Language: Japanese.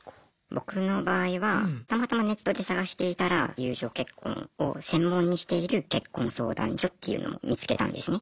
僕の場合はたまたまネットで探していたら友情結婚を専門にしている結婚相談所っていうのを見つけたんですね。